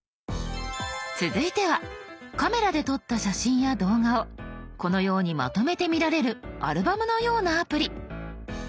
続いてはカメラで撮った写真や動画をこのようにまとめて見られるアルバムのようなアプリ。